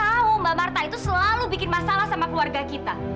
tahu mbak marta itu selalu bikin masalah sama keluarga kita